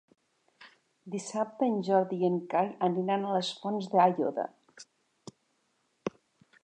Dissabte en Jordi i en Cai aniran a les Fonts d'Aiòder.